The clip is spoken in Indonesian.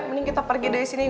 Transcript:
mending kita pergi dari sini